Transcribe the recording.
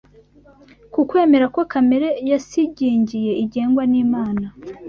ku kwemera ko kamere yasigingiye igengwa n’Imana